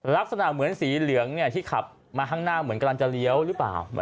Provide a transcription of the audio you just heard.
ลักษณะเหมือนสีเหลืองที่ขับมาข้างหน้าเหมือนกำลังจะเลี้ยวหรือเปล่า